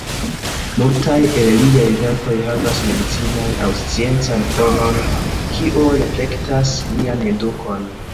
Multaj el liaj verkoj havas medicinan aŭ sciencan fonon kio reflektas lian edukon.